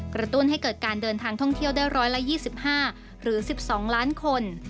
ตุ้นให้เกิดการเดินทางท่องเที่ยวได้๑๒๕หรือ๑๒ล้านคน